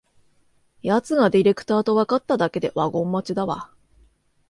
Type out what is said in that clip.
やつがディレクターとわかっただけでワゴン待ちだわ